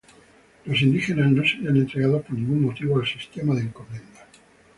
Los indígenas no serían entregados por ningún motivo al sistema de encomiendas.